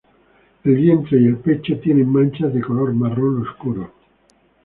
El vientre y el pecho tienen manchas de color marrón oscuro.